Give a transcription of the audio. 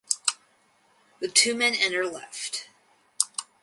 The two men enter left.